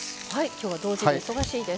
今日は同時で忙しいです。